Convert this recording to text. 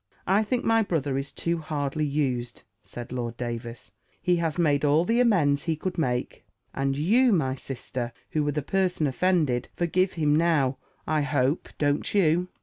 "I think my brother is too hardly used," said Lord Davers; "he has made all the amends he could make: and you, my sister, who were the person offended, forgive him now, I hope; don't you?"